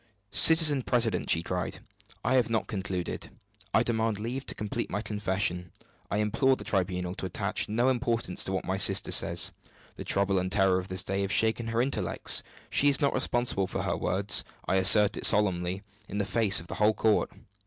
"Citizen president," he cried, "I have not concluded. I demand leave to complete my confession. I implore the tribunal to attach no importance to what my sister says. The trouble and terror of this day have shaken her intellects. She is not responsible for her words I assert it solemnly, in the face of the whole court!"